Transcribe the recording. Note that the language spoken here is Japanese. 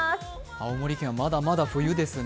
青森県はまだまだ冬ですね。